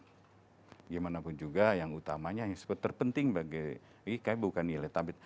gimanapun juga yang utamanya yang sepertinya terpenting bagi ini kan bukan nilai tambah